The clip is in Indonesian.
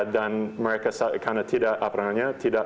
dan mereka karena tidak